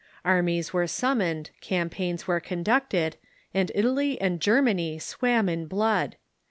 Armies were summoned, campaigns were con ducted, and Italy and Germany swam in blood.